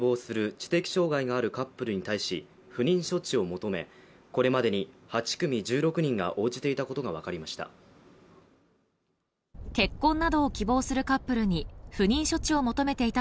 知的障害があるカップルに対し不妊処置を求めこれまでに８組１６人が応じていたことが分かりました。